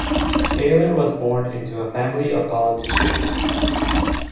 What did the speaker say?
Taylor was born into a family of politicians .